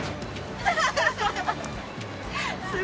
ハハハハ！